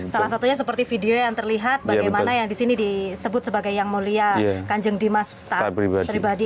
salah satunya seperti video yang terlihat bagaimana yang disini disebut sebagai yang mulia kanjeng dimas pribadi